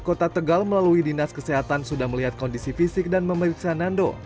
kota tegal melalui dinas kesehatan sudah melihat kondisi fisik dan memeriksa nando